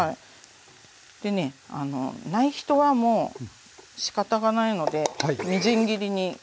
でねない人はもうしかたがないのでみじん切りに包丁でして頂けると。